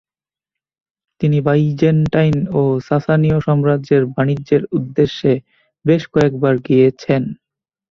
তিনি বাইজেন্টাইন ও সাসানীয় সাম্রাজ্যে বাণিজ্যের উদ্দেশ্যে বেশ কয়েকবার গিয়েছেন।